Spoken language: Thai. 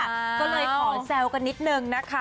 ก็เลยขอแซวกันนิดนึงนะคะ